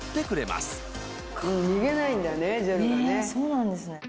ねっそうなんですね。